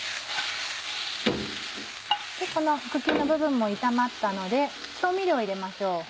この茎の部分も炒まったので調味料を入れましょう。